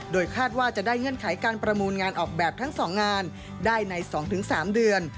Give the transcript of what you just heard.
โดยคาดว่าจะได้เงื่อนไขการประมูลงานออกแบบทั้ง๒งานได้ใน๒๓เดือน